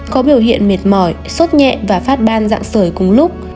có biểu hiện mệt mỏi sốt nhẹ và phát ban dạng sởi cùng lúc